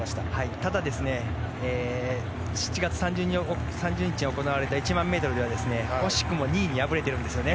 ただ７月３０日に行われた１００００ｍでは惜しくも２位に敗れてるんですよね。